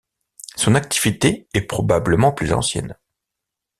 Son activité est probablement plus ancienne.